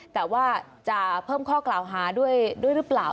แต่ว่าจะเพิ่มข้อกล่าวหาด้วยหรือเปล่า